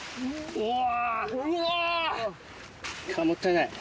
うわ。